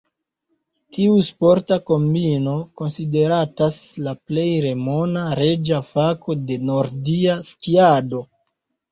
Tiu sporta kombino konsideratas la plej renoma, "reĝa fako" de nordia skiado.